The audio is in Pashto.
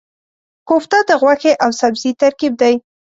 کوفته د غوښې او سبزي ترکیب دی.